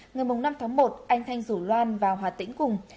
ngày năm tháng một anh thanh rủ loan vào hà tĩnh cùng